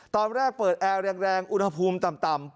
ตอนแรกเปิดแอร์แรงอุณหภูมิต่ำ